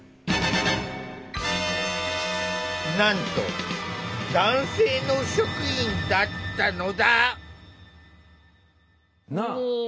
なんと男性の職員だったのだ。